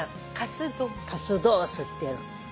カスドースっていうの。